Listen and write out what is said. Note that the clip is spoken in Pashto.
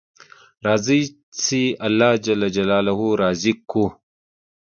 راځئ چې الله جل جلاله راضي کړو